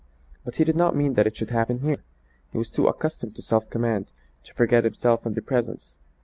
But he did not mean that it should happen here. He was too accustomed to self command to forget himself in this presence.